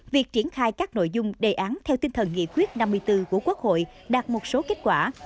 việc triển khai các nội dung đề án theo tinh thần nghị quyết năm mươi bốn của quốc hội đạt một số kết quả